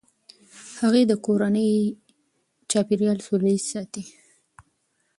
هغې د کورني چاپیریال سوله ایز ساتي.